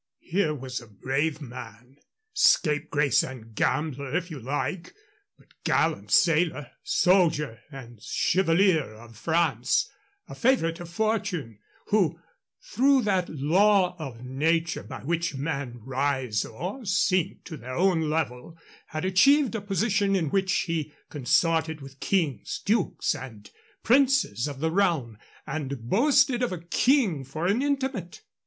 Here was a brave man, scapegrace and gambler if you like, but gallant sailor, soldier, and chevalier of France, a favorite of fortune, who, through that law of nature by which men rise or sink to their own level, had achieved a position in which he consorted with kings, dukes, and princes of the realm, and boasted of a king for an intimate.